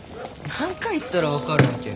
何回言ったら分かるわけ？